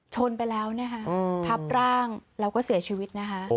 ชนไปแล้วทับร่างแล้วก็เสียชีวิต